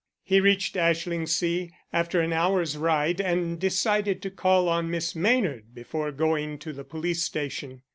He reached Ashlingsea after an hour's ride and decided to call on Miss Maynard before going to the police station.